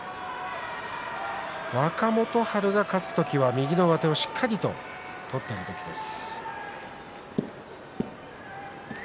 若元春が勝つ時は右の上手をしっかりと取っている時です。